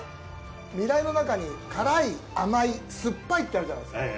味蕾の中に、辛い、甘い、酸っぱいってあるじゃないですか。